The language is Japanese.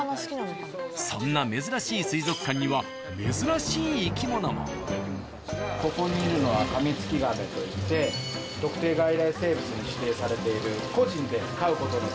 そんな珍しい水族館にはここにいるのはカミツキガメといって特定外来生物に指定されている。